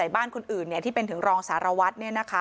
บ้านคนอื่นที่เป็นถึงรองสารวัตร